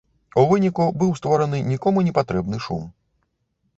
У выніку, быў створаны нікому не патрэбны шум.